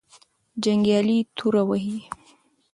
جنګیالي توره وهې.